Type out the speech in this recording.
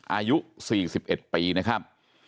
อายุ๔๑ปีนะครับ